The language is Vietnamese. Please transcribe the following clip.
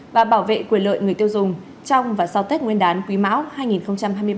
và bảo vệ quyền lợi người tiêu dùng trong và sau tết nguyên đán quý mão hai nghìn hai mươi ba